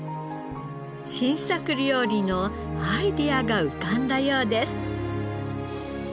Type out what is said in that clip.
新作料理のアイデアが浮かんだようです。